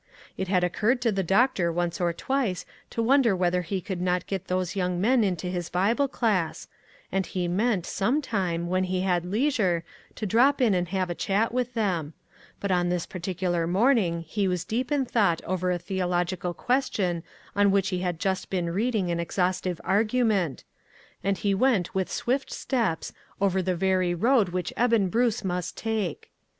It had occurred to the doctor once or twice to wonder whether he could not get those young men into his Bible class, and he meant, some time, when he had leisure, to drop in and have a chat with them ; but on this particular 156 ONE COMMONPLACE DAY. morning lie was deep in thought over a theological question on which he had just been reading an exhaustive argument, and he went with swift steps, over the very road which Eben Bruce must take.